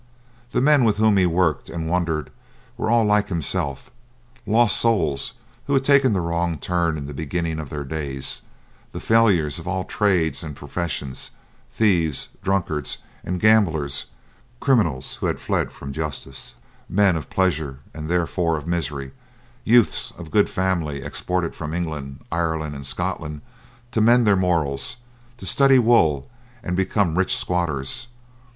The men with whom he worked and wandered were all like himself lost souls who had taken the wrong turn in the beginning of their days, the failures of all trades and professions; thieves, drunkards, and gamblers; criminals who had fled from justice; men of pleasure and, therefore, of misery; youths of good family exported from England, Ireland, and Scotland to mend their morals, to study wool, and become rich squatters.